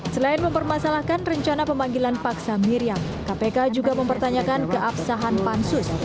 selain mempermasalahkan rencana pemanggilan pak samir yang kpk juga mempertanyakan keabsahan pansus